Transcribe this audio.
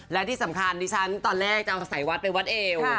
และที่สำคัญดิฉันตอนแรกจะเอาสายวัดไปวัดเอว